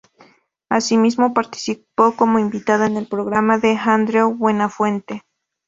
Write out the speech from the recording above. Asimismo participó como invitada en el programa de Andreu Buenafuente.